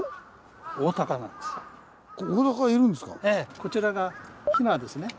こちらがひなですね。